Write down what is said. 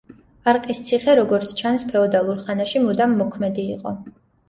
არყისციხე, როგორც ჩანს, ფეოდალურ ხანაში მუდამ მოქმედი იყო.